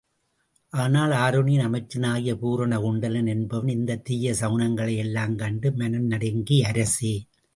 ஆனால் ஆருணியின் அமைச்சனாகிய பூரண குண்டலன் என்பவன், இந்தத் தீய சகுனங்களை எல்லாம் கண்டு மனம் நடுங்கி, அரசே!